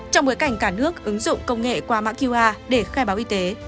trong bối cảnh cả nước ứng dụng công nghệ qua mã qr để khai báo y tế